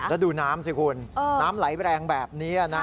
แล้วดูน้ำสิคุณน้ำไหลแรงแบบนี้